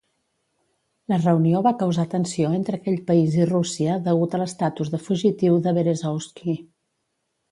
La reunió va causar tensió entre aquell país i Rússia degut a l'estatus de fugitiu de Berezovsky.